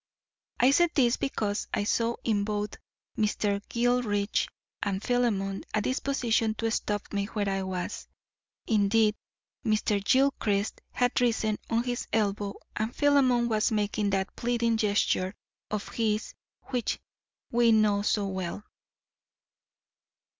I said this because I saw in both Mr. Gilchrist and Philemon a disposition to stop me where I was. Indeed Mr. Gilchrist had risen on his elbow and Philemon was making that pleading gesture of his which we know so well.